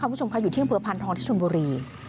คุณผู้ชมคะอยู่เที่ยงเผือพันธ์ทองที่ชุนบุรี